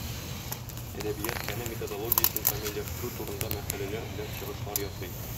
Әдәбият фәне методологиясен камилләштерү турында мәкаләләр белән чыгышлар ясый.